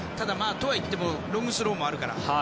とはいってもロングスローもあるから。